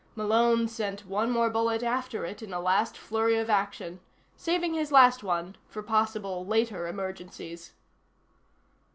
Malone sent one more bullet after it in a last flurry of action saving his last one for possible later emergencies.